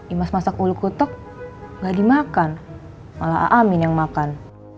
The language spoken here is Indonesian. imas masak ulu kutok nggak dimakan malah aamin yang makan